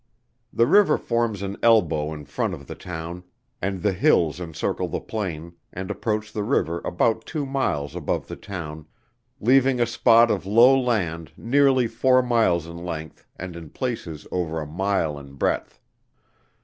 The river forms an elbow in front of the town, and the hills encircle the plain, and approach the river about two miles above the town leaving a spot of low land nearly four miles in length and in places over a mile in breadth.